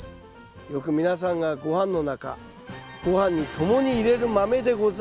よく皆さんがごはんの中ごはんに共に入れる豆でございます。